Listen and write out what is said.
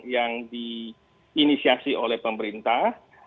yang di inisiasi oleh pemerintah